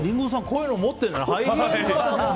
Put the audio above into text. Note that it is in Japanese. こういうの持ってるんだね。